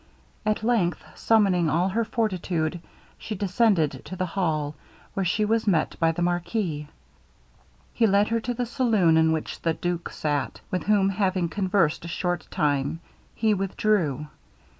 At length, summoning all her fortitude, she descended to the hall, where she was met by the marquis. He led her to the saloon in which the duke sat, with whom having conversed a short time, he withdrew.